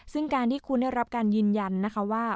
ซึ่งการที่คุณได้รับการยืนยันนะคะว่า